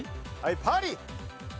パリ。